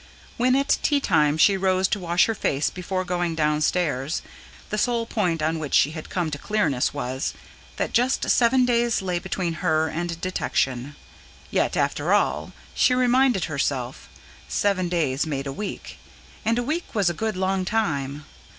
When, at tea time, she rose to wash her face before going downstairs, the sole point on which she had come to clearness was, that just seven days lay between her and detection. Yet after all, she reminded herself, seven days made a week, and a week was a good long time.